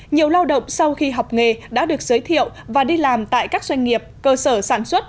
nhiều lao động sau khi học nghề đã được giới thiệu và đi làm tại các doanh nghiệp cơ sở sản xuất